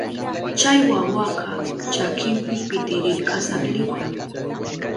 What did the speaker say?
Chay wawaka chakinpi pitirirka sabliwa.